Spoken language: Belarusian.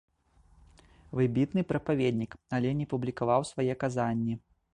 Выбітны прапаведнік, але не публікаваў свае казанні.